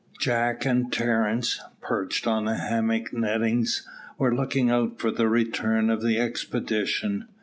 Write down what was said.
Jack and Terence, perched on the hammock nettings, were looking out for the return of the expedition.